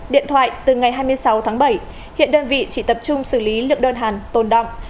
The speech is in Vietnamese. điện thoại từ ngày hai mươi sáu tháng bảy hiện đơn vị chỉ tập trung xử lý lượng đơn hàng tồn động